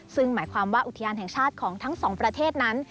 ซึ่งหมายความว่าอุทยานแห่งชาติของทั้งสองประเทศนั้น